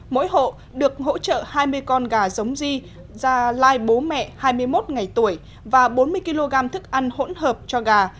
mỗi hộ được hỗ trợ hai mươi con gà giống di già lai bố mẹ hai mươi một ngày tuổi và bốn mươi kg thức ăn hỗn hợp cho gà